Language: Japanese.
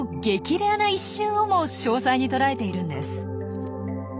レアな一瞬をも詳細に捉えているんです。